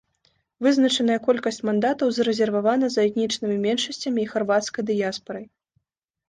Вызначаная колькасць мандатаў зарэзервавана за этнічнымі меншасцямі і харвацкай дыяспарай.